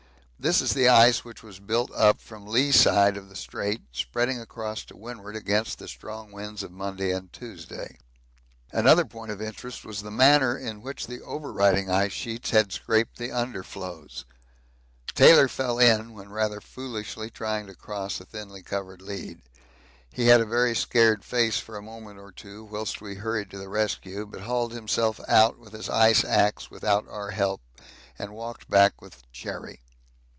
This is the ice which was built up from lee side of the Strait, spreading across to windward against the strong winds of Monday and Tuesday. Another point of interest was the manner in which the overriding ice sheets had scraped the under floes. Taylor fell in when rather foolishly trying to cross a thinly covered lead he had a very scared face for a moment or two whilst we hurried to the rescue, but hauled himself out with his ice axe without our help and walked back with Cherry.